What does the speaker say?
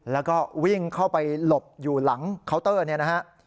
แล้วก็วิ่งเข้าไปหลบอยู่หลังเคาน์เตอร์เนี่ยนะฮะ